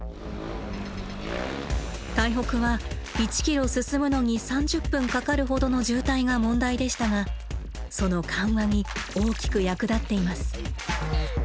台北は１キロ進むのに３０分かかるほどの渋滞が問題でしたがその緩和に大きく役立っています。